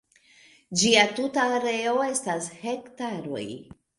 Ĝia tuta areo estas hektaroj.